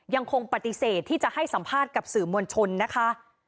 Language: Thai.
ยังคงปฏิเสธที่จะให้สัมภาษณ์กับสื่อมวลชนนะคะ